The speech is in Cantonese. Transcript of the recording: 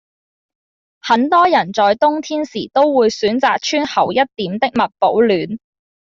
很多人在冬天時都會選擇穿厚一點的襪保暖